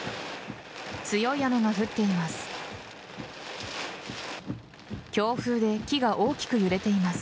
強い雨が降っています。